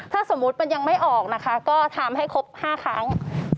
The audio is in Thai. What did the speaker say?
ถ้าสมมุติมันยังไม่ออกนะคะก็ทำให้ครบ๕ครั้ง